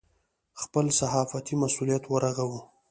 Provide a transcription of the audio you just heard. خپل صحافتي مسوولیت ورغوو.